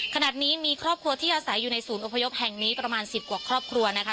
ขณะนี้มีครอบครัวที่อาศัยอยู่ในศูนย์อพยพแห่งนี้ประมาณ๑๐กว่าครอบครัวนะคะ